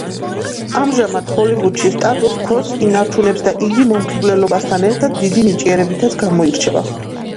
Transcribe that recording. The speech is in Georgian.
ამჟამად ჰოლივუდში სტატუს ქვოს ინარჩუნებს და იგი მომხიბვლელობასთან ერთად დიდი ნიჭიერებითაც გამოირჩევა.